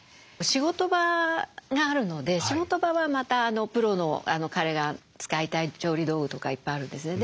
仕事場があるので仕事場はまたプロの彼が使いたい調理道具とかいっぱいあるんですね。